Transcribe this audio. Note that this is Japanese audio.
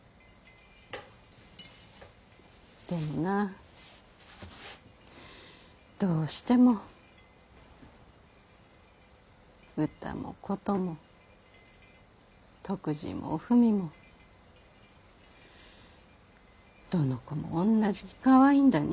でもなぁどうしてもうたもことも篤二もおふみもどの子もおんなじにかわいいんだに。